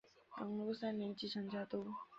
永禄三年继承家督。